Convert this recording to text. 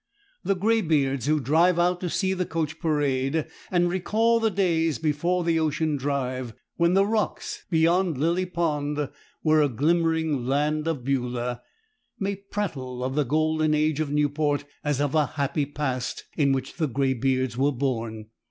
The graybeards who drive out to see the coach parade, and recall the days, before the ocean drive, when the rocks beyond Lily Pond were a glimmering land of Beulah, may prattle of the golden age of Newport as of a happy past in which the graybeards were born.